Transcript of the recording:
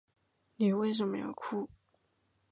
妳为什么要哭